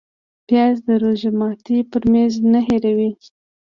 پیاز د روژه ماتي پر میز نه هېروې